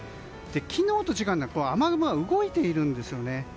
昨日と違うのが雨雲が動いているんですよね。